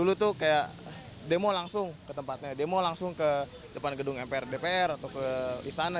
dulu tuh kayak demo langsung ke tempatnya demo langsung ke depan gedung mpr dpr atau ke istana